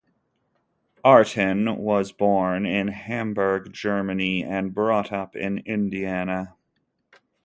Artin was born in Hamburg, Germany, and brought up in Indiana.